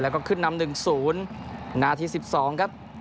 แล้วก็ขึ้นนำ๑๐นาที๑๒ครับ